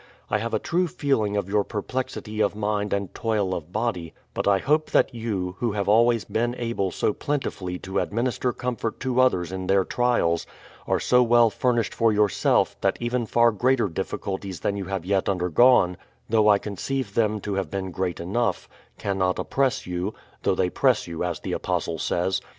I have a true feeling of your perplexity of mind and toil of body; but I hope that you, who have always been able so plentifully to administer comfort to others in their trials, are so well furnished for yourself that even far greater difficulties than you have yet undergone (though I conceive them to have been great enough) cannot oppress you, though they press you, as the Apostle says.